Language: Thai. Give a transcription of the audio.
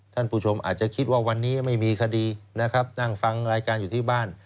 ท่านผู้ชมอาจจะคิดว่าวันนี้ไม่มีคดีนะครับนั่งฟังรายการอยู่ที่บ้าน